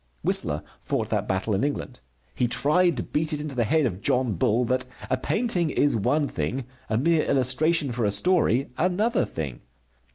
Whistler fought that battle in England. He tried to beat it into the head of John Bull that a painting is one thing, a mere illustration for a story another thing.